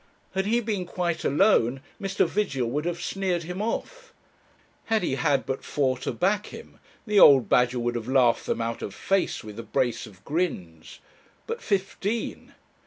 Had he been quite alone, Mr. Vigil would have sneered him off; had he had but four to back him, the old badger would have laughed them out of face with a brace of grins. But fifteen